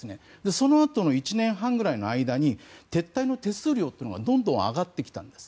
そのあとの１年半くらいの間に撤退の手数料というのがどんどん上がってきたんです。